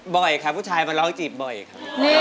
บ่อยค่ะผู้ชายมาร้องจีบบ่อยครับ